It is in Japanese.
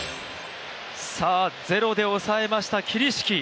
０で抑えました、桐敷。